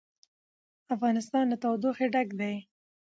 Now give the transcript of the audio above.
افغانستان له تودوخه ډک دی.